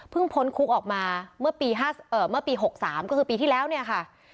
พ้นคุกออกมาเมื่อปี๖๓ก็คือปีที่แล้วเนี่ยค่ะ